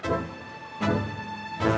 kok bang sodikin gak narik